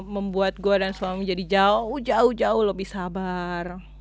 membuat gue dan suami menjadi jauh jauh lebih sabar